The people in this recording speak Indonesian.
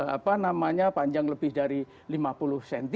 apa namanya panjang lebih dari lima puluh cm